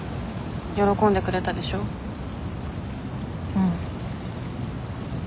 うん。